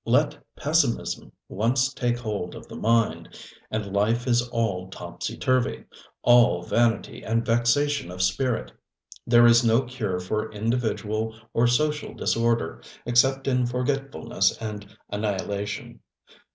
Let pessimism once take hold of the mind, and life is all topsy turvy, all vanity and vexation of spirit. There is no cure for individual or social disorder, except in forgetfulness and annihilation.